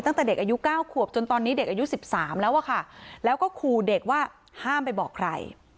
ตั้งแต่เด็กอายุ๙ขวบจนตอนนี้เด็กอายุ๑๓แล้วอะค่ะแล้วก็ขู่เด็กว่าห้ามไปบอกใคร